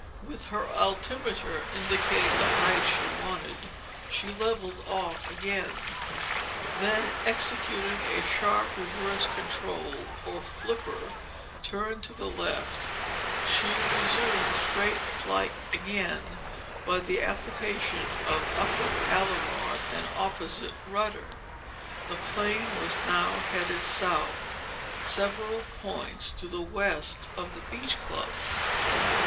With her altimeter indicating the height she wanted, she leveled off again; then, executing a sharp reverse control or "flipper" turn to the left she resumed straight flight again by the application of up aileron and opposite rudder. The plane was now headed south, several points to the west of the Beach Club.